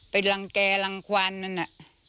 ไปลังแกลังควันมันน่ะ